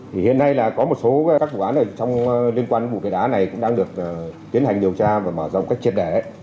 hiện nay có một số các vụ án liên quan đến vụ cái đá này cũng đang được tiến hành điều tra và mở rộng cách triệt đẻ